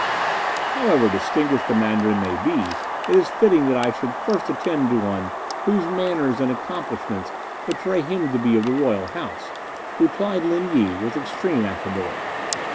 "However distinguished a Mandarin may be, it is fitting that I should first attend to one whose manners and accomplishments betray him to be of the Royal House," replied Lin Yi, with extreme affability.